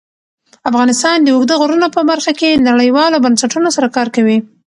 افغانستان د اوږده غرونه په برخه کې نړیوالو بنسټونو سره کار کوي.